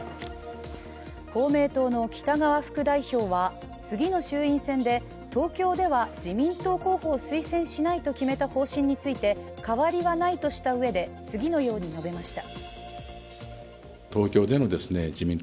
公明党の北側副代表は次の衆院選で東京では自民党候補を推薦しないと決めた方針について変わりはないとしたうえで次のように述べました。